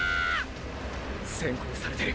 先行されてる！！